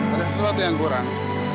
ada sesuatu yang kurang